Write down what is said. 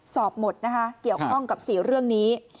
สอบหมดนะคะเกี่ยวข้องกับ๔เรื่องนี้